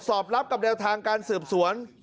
สอบรับกับแนวทางการสืบสวน